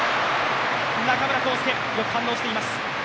中村航輔、よく反応しています。